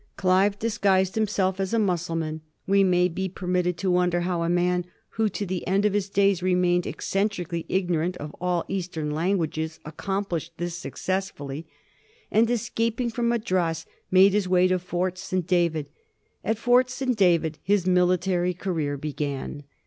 Clive disguised himself as a Mussulman — >wc may be permitted to wonder how a man who to the end of his days remained eccentrically ignorant of all Eastern languages accomplished this successfully — and, escaping from Madras, made his way to Fort St. David. At Fort St. David his military career began.